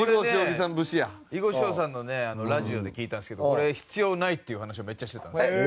囲碁将さんのラジオで聞いたんですけどこれ必要ないって話をめっちゃしてたんですよ。